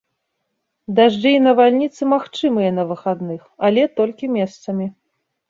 Дажджы і навальніцы магчымыя на выхадных, але толькі месцамі.